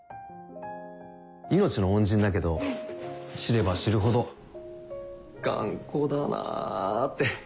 命の恩人だけど知れば知るほど頑固だなぁって。